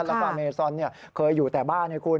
แล้วก็อเมซอนเคยอยู่แต่บ้านให้คุณ